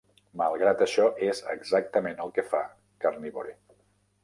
Malgrat això, és exactament el que fa Carnivore.